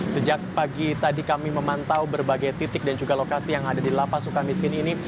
sejak pagi tadi kami memantau berbagai titik dan juga lokasi yang ada di lapas suka miskin ini